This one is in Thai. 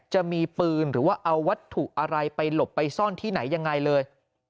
จะมีปืนหรือว่าเอาวัตถุอะไรไปหลบไปซ่อนที่ไหนยังไงเลย